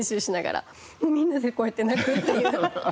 みんなでこうやって泣くっていう。